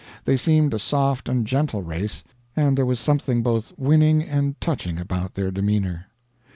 They seemed a soft and gentle race, and there was something both winning and touching about their demeanor.